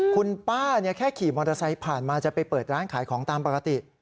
คุณป้าแค่ขี่มอเตอร์ไซค์ผ่านมาจะไปเปิดร้านขายของตามปกติ